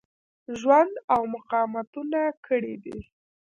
ژوند او مقاومتونه کړي دي.